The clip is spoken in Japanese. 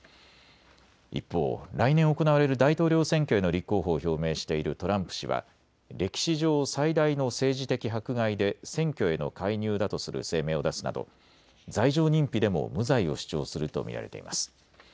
一方、来年行われる大統領選挙への立候補を表明しているトランプ氏は歴史上最大の政治的迫害で選挙への介入だとする声明を出すなど罪状認否でも無罪を主張すると見られています。